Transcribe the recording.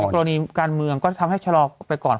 กรณีการเมืองก็ทำให้ชะลอไปก่อน